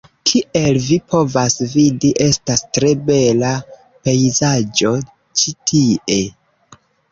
Kiel vi povas vidi, estas tre bela pejzaĝo ĉi tie.